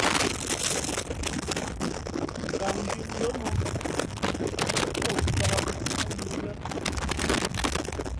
Gam dhʉ̄ lóm ǒ mα pᾱʼ o pāk pάʼ mōō lά.